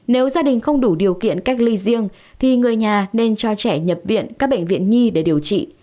nếu gia đình không đủ điều kiện cách ly riêng thì người nhà nên cho trẻ nhập viện các bệnh viện nhi để điều trị